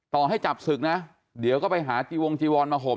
ต่อให้จับศึกนะเดี๋ยวก็ไปหาจีวงจีวอนมาห่ม